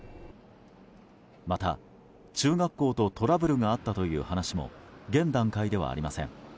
また、中学校とトラブルがあったという話も現段階ではありません。